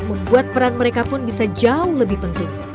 membuat peran mereka pun bisa jauh lebih penting